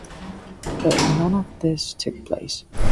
But none of this took place.